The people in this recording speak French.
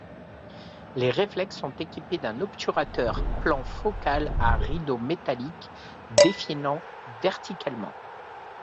Les reflex sont équipés d'un obturateur plan focal à rideaux métalliques défilant verticalement.